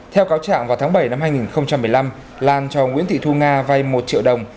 theo cáo trạng vào tháng bảy năm hai nghìn một mươi năm lan cho nguyễn thị thu nga vay một triệu đồng